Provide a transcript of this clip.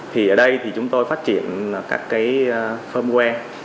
thì ở đây thì chúng tôi phát triển các cái firmware